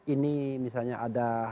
ini misalnya ada